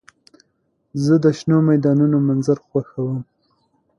زه د شنو میدانونو منظر خوښوم.